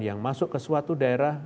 yang masuk ke suatu daerah